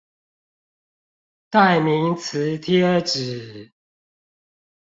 代名詞貼紙